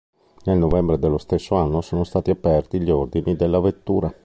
Nel novembre dello stesso anno sono stati aperti gli ordini della vettura.